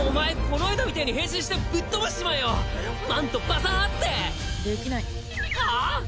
この間みてーに変身してぶっ飛ばしちまえよマントバサッてできないはあ？